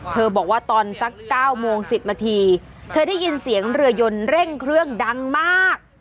บอกว่าตอนสัก๙โมง๑๐นาทีเธอได้ยินเสียงเรือยนเร่งเครื่องดังมาก